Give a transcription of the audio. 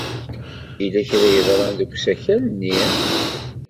Yella kra ay yeḍran deg usakal-nni?